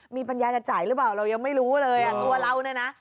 มีปัญญาจะจ่ายหรือเปล่าเรายังไม่รู้เลยอ่ะตัวเราเนี่ยนะ